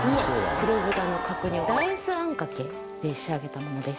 黒豚の角煮を大豆あんかけで仕上げたものです。